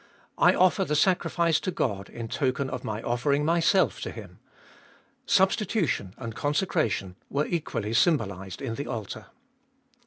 I offer the sacrifice to God, in token of my offering myself to Him. Substitution and Consecration were equally symbolised in the altar.